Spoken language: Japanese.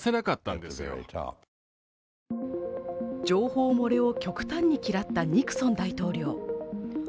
情報漏れを極端に嫌ったニクソン大統領。